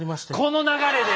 この流れで？